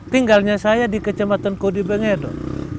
tinggalnya saya di kecamatan kodi bengedo